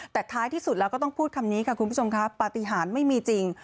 แต่ท้ายที่สุดแล้วก็ต้องพูดคำนี้ค่ะคุณผู้ชมครับปฏิหารไม่มีจริง